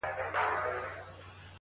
مثبت ذهن ناامیدي شاته پرېږدي